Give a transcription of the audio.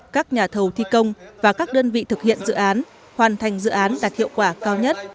các nhà thầu thi công và các đơn vị thực hiện dự án hoàn thành dự án đạt hiệu quả cao nhất